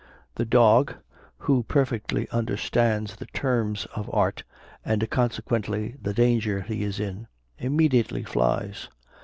The dog, who perfectly understands the terms of art, and consequently the danger he is in, immediately flies.